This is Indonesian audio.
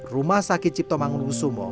rumah sakit ciptomang lusumo